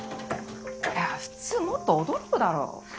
普通もっと驚くだろ。